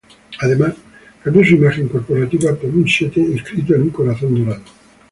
Además, cambió su imagen corporativa por un siete inscrito en un corazón dorado.